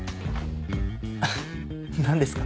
あっ何ですか？